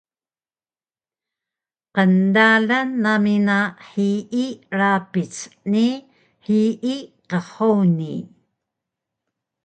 Qndalan nami na hiyi rapic ni hiyi qhuni